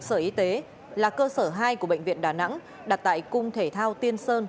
sở y tế là cơ sở hai của bệnh viện đà nẵng đặt tại cung thể thao tiên sơn